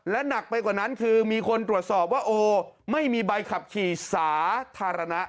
หนักไปกว่านั้นคือมีคนตรวจสอบว่าโอ้ไม่มีใบขับขี่สาธารณะ